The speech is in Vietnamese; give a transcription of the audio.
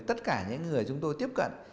tất cả những người chúng tôi tiếp cận